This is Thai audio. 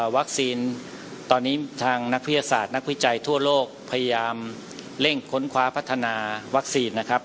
ตอนนี้ทางนักวิทยาศาสตร์นักวิจัยทั่วโลกพยายามเร่งค้นคว้าพัฒนาวัคซีนนะครับ